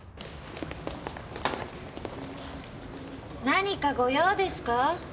何かご用ですか？